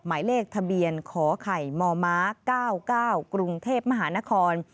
หมายเลขทะเบียนขอไข่มม๙๙กรุงเทพมหานคร